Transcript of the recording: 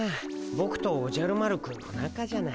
ボクとおじゃる丸くんの仲じゃない。